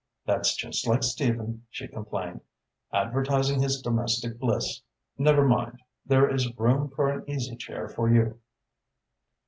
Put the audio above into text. "That's just like Stephen," she complained, "advertising his domestic bliss. Never mind, there is room for an easy chair for you."